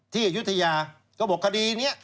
ที่อยุธยาก็บอกคดีเนี้ย